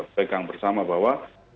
pegang bersama bahwa